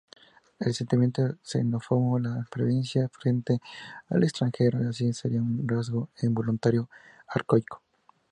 El sentimiento xenófobo, la prevención frente al extranjero, así, sería un rasgo evolutivo arcaico.